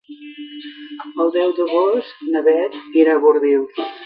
El deu d'agost na Beth irà a Bordils.